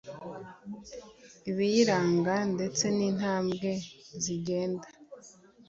ibiyiranga ndetse n'intwambwe zigenda